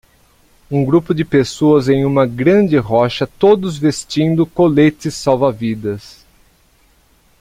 Um grupo de pessoas em uma grande rocha todos vestindo coletes salva-vidas.